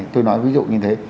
tôi nói ví dụ như thế